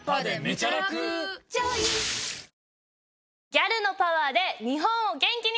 ギャルのパワーで日本を元気に。